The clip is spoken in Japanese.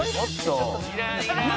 「いらんいらん！」